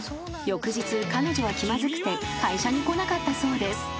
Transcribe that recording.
［翌日彼女は気まずくて会社に来なかったそうです］